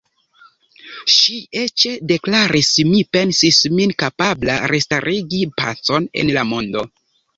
Ŝi eĉ deklaris: Mi pensis min kapabla restarigi pacon en la mondo..